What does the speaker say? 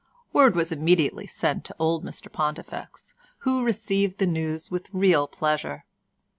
Word was immediately sent to old Mr Pontifex, who received the news with real pleasure.